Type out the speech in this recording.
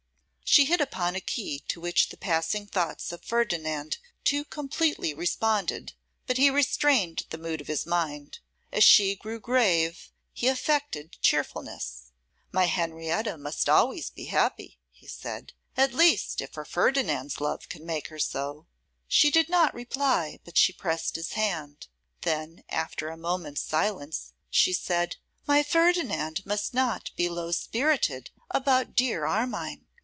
She hit upon a key to which the passing thoughts of Ferdinand too completely responded, but he restrained the mood of his mind. As she grew grave, he affected cheerfulness. 'My Henrietta must always be happy,' he said, 'at least, if her Ferdinand's love can make her so.' She did not reply, but she pressed his hand. Then, after a moment's silence, she said, 'My Ferdinand must not be low spirited about dear Armine.